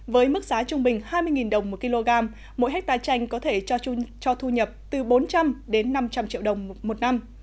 với mức giá trung bình hai mươi đồng một kg mỗi hectare chanh có thể cho thu nhập từ bốn trăm linh đến năm trăm linh triệu đồng một năm